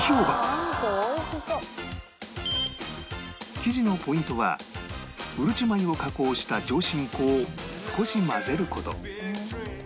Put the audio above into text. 生地のポイントはうるち米を加工した上新粉を少し混ぜる事